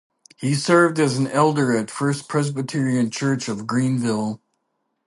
He served as an elder at First Presbyterian church of Greenville.